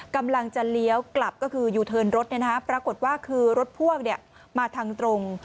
กำลังจะเลี้ยวกลับก็คืออยู่เทินรถเนี่ยนะคะปรากฏว่าคือรถพวกเนี่ยมาทางตรง